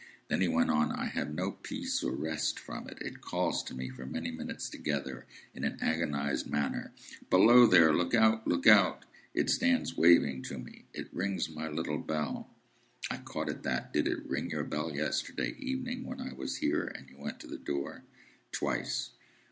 Then he went on. "I have no peace or rest for it. It calls to me, for many minutes together, in an agonised manner, 'Below there! Look out! Look out!' It stands waving to me. It rings my little bell—" I caught at that. "Did it ring your bell yesterday evening when I was here, and you went to the door?" "Twice."